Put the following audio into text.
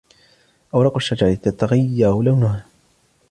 اوراق الشجر تتغير لونها.